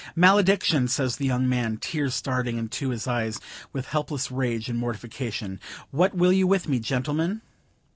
"Malediction!" says the young man, tears starting into his eyes with helpless rage and mortification. "What will you with me, gentlemen?"